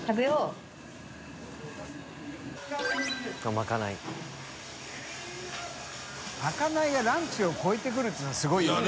「まかない」泙覆いランチを超えてくるていうのはすごいよね。